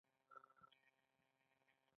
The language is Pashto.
وروسته په پنبه باندې کار شوی او په تار بدل شوی.